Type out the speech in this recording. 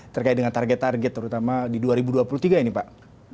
terkait dengan target target terutama di dua ribu dua puluh tiga ini pak